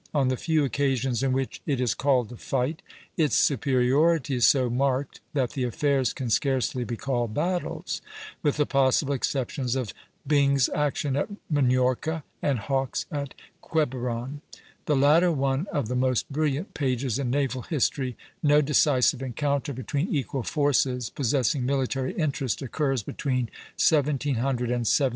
On the few occasions in which it is called to fight, its superiority is so marked that the affairs can scarcely be called battles; with the possible exceptions of Byng's action at Minorca and Hawke's at Quiberon, the latter one of the most brilliant pages in naval history, no decisive encounter between equal forces, possessing military interest, occurs between 1700 and 1778.